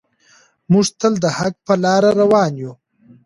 موږ تل د حق په لاره روان یو.